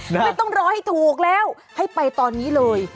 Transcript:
ไม่ต้องรอให้ถูกแล้วให้ไปตอนนี้เลย